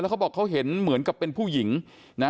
เขาบอกเขาเห็นเหมือนกับเป็นผู้หญิงนะ